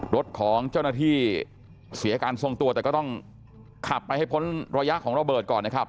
รถของเจ้าหน้าที่เสียการทรงตัวแต่ก็ต้องขับไปให้พ้นระยะของระเบิดก่อนนะครับ